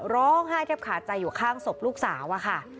ร้องไห้แทบขาดใจอยู่ข้างศพลูกสาวอะค่ะ